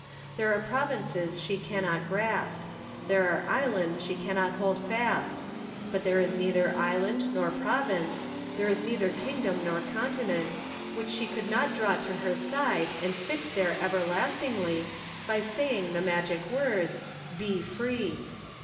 There are provinces she cannot grasp ; there are islands she cannot hold fast ; but there is neither island nor province, there is neither kingdom nor continent, which she could not draw to her side and fix there everlastingly, by saying the magic words, Be Free.